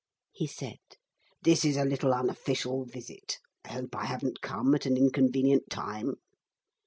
he said. 'This is a little unofficial visit. I hope I haven't come at an inconvenient time.'